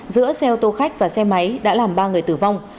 giữa xe ô tô khách và xe máy đã làm ba người tử vong